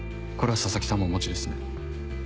これは佐々木さんもお持ちですね。